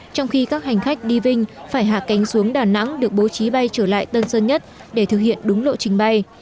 trong khi các hành khách đi vinh phải hạ cánh xuống đà nẵng được bố trí bay trở lại tân sơn nhất để thực hiện đúng lộ trình bay